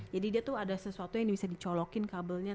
jadi dia tuh ada sesuatu yang bisa dicolokin kabelnya